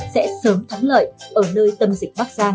sẽ sớm thắng lợi ở nơi tâm dịch bắc giang